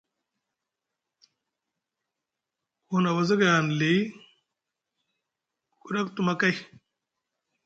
Ku huna wazagay hanɗa li ku kiɗa ku tuma kay.